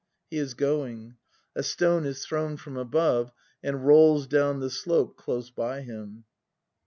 [He is going; a stone is thrown from above and rolls down the slope close by him.